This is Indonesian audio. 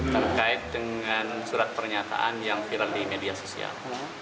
terkait dengan surat pernyataan yang viral di media sosial